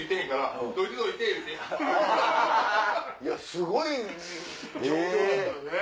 すごい状況やったんやね。